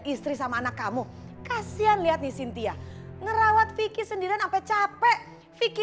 istri sama anak kamu kasian lihat nih cynthia ngerawat vicky sendirian sampai capek